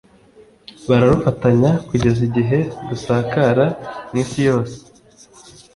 bararufatanya, kugeza igihe rusakara mu isi yose.